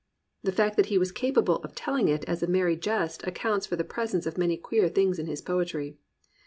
The fact that he was capable of telling it as a merry jest accounts for the presence of many queer things in his poetry.